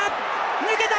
抜けた！